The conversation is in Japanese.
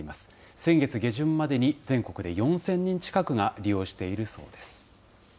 先月下旬までに全国で４０００人近くが利用しているそうです。